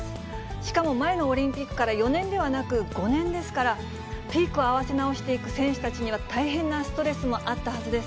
しかも前のオリンピックから４年ではなく、５年ですから、ピークを合わせ直していく選手たちには大変なストレスがあったはずです。